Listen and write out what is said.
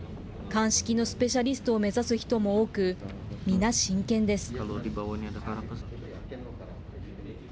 鑑識のスペシャリストを目指す人も多く、皆、真剣です。